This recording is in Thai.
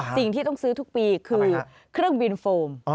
สิ่งที่ต้องซื้อทุกปีคือเครื่องบินโฟม